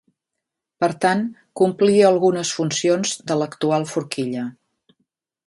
Per tant complia algunes funcions de l'actual forquilla.